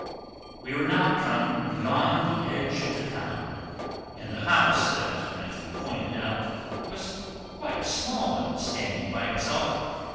We were now come beyond the edge of the town. And the house that Matthew pointed out was quite a small one standing by itself.